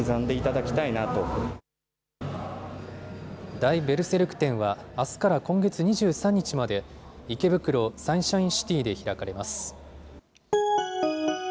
大ベルセルク店は、あすから今月２３日まで、池袋サンシャインシティで開かれます。